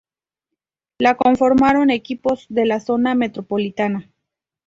La conformaron equipos de la Zona Metropolitana.